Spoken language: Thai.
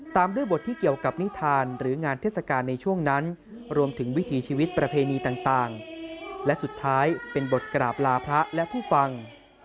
ตามด้วยบทที่เกี่ยวกับนิทานหรืองานเทศกาลในช่วงนั้นรวมถึงวิถีชีวิตประเพณีต่างและสุดท้ายเป็นบทกราบลาพระและผู้ฟัง